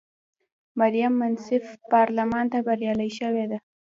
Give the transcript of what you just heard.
مریم منصف پارلمان ته بریالی شوې وه.